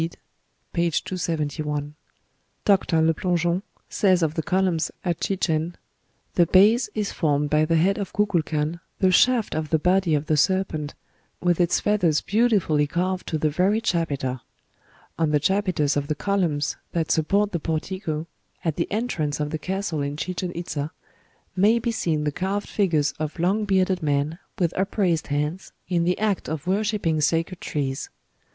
p. 271.) Dr. Le Plongeon says of the columns at Chichen: "The base is formed by the head of Cukulcan, the shaft of the body of the serpent, with its feathers beautifully carved to the very chapiter. On the chapiters of the columns that support the portico, at the entrance of the castle in Chichen Itza, may be seen the carved figures of long bearded men, with upraised hands, in the act of worshipping sacred trees.